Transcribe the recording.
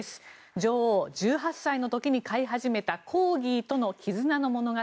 女王、１８歳の時に飼い始めたコーギーとの絆の物語。